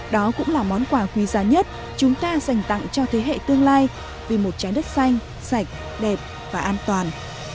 đó cũng là món quà quý giá nhất chúng ta dành tặng cho thế hệ tương lai vì một trái đất xanh sạch đẹp và an toàn